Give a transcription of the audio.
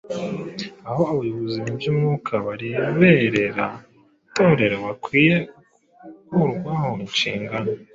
aho abayobozi mu by’Umwuka bareberera Itorero bakwiye gukurwaho inshingano